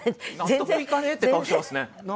納得いかねえって顔してますね。